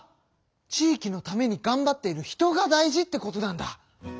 地域のためにがんばっている人が大事ってことなんだ！